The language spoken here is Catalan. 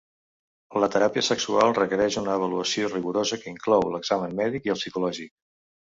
La teràpia sexual requereix una avaluació rigorosa que inclou l'examen mèdic i el psicològic.